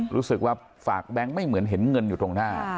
รู้สึกว่าฝากแบงค์ไม่เหมือนเห็นเงินอยู่ตรงหน้า